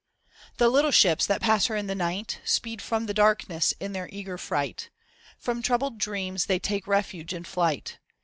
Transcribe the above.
The little ships that pass her in the night. Speed from the darkness in their eager fright. From troubled dresuns they take refuge in flight.